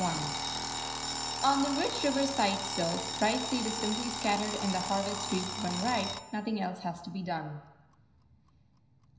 [Footnote 1: On the rich river side silt, rice seed is simply scattered and the harvest reaped when ripe; nothing else has to be done.